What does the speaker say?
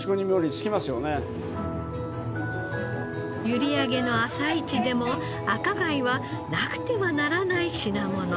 閖上の朝市でも赤貝はなくてはならない品物。